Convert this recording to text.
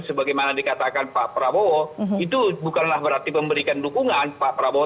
sebagaimana dikatakan pak prabowo itu bukanlah berarti memberikan dukungan pak prabowo